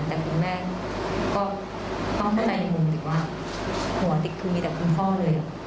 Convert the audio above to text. แต่คุณแม่ก็เข้าใจในมุมอยู่ว่าหัวเด็กคือมีแต่คุณพ่อเลย